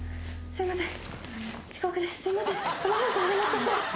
すいません。